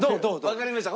わかりました。